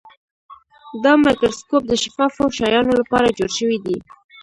دا مایکروسکوپ د شفافو شیانو لپاره جوړ شوی دی.